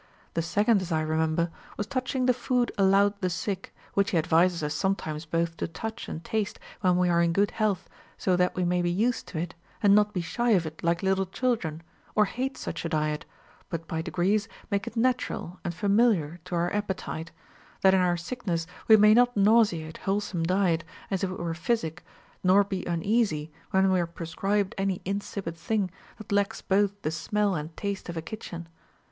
The sec Ο ond, as I remember, was touching the food allowed the sick, which he advises us sometimes both to touch and taste when we are in good health, that so we may be used to it, and not be shy of it, like little children, or hate such a diet, but by degrees make it natural and familiar to our appetite ; that in our sickness we may not nauseate whole some diet, as if it were physic, nor be uneasy when we are prescribed any msipid thing, that lacks both the smell and taste of a kitchen.